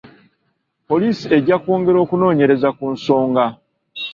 Poliisi ejja kwongera okunoonyereza ku nsonga.